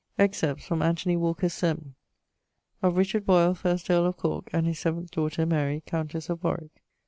<_Excerpts from Anthony Walker's Sermon._> Of Richard Boyle, first earl of Corke, and his seventh daughter, Mary, countess of Warwick.